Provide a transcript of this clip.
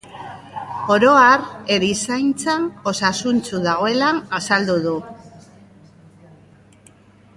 Oro har, erizaintza osasuntsu dagoela azaldu du.